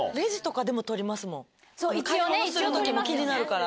買い物する時も気になるから。